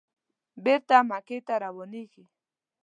بېرته مکې ته روانېږي.